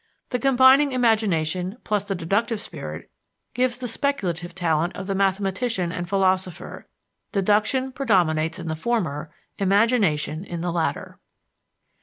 The combining imagination plus the deductive spirit gives the speculative talent of the mathematician and philosopher; deduction predominates in the former, imagination in the latter.